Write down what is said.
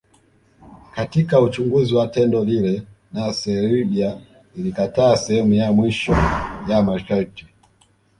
Katika Uchunguzi wa tendo lile na Serbia ilikataa sehemu ya mwisho ya masharti